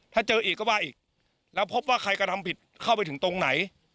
ถ้าเจออีกก็ว่าอีกแล้วพบว่าใครกระทำผิดเข้าไปถึงตรงไหน